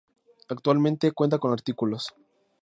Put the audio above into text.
Actualmente cuenta con artículos.